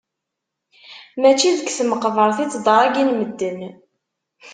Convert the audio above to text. Mačči deg tmeqbert i ttedṛagin medden.